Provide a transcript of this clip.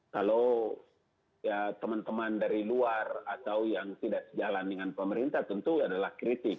kalau teman teman dari luar atau yang tidak sejalan dengan pemerintah tentu adalah kritik